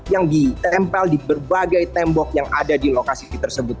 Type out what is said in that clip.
yang ditempel di berbagai tembok yang ada di lokasi tersebut